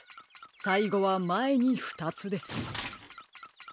さいごはまえにふたつです。